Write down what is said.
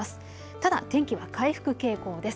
ただ天気は回復傾向です。